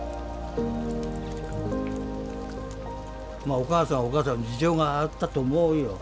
お母さんはお母さんの事情があったと思うよ。